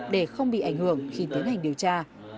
để không bị ảnh hưởng khi tiến hành điều tra